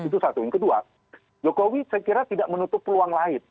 itu satu yang kedua jokowi saya kira tidak menutup peluang lain